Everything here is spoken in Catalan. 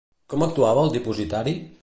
Com actuava el depositari?